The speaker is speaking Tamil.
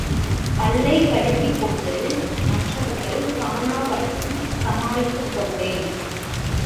பல்லைக் கடித்துக்கொண்டு, மற்றவர் காணாவண்ணம் சமாளித்துக் கொண்டேன்.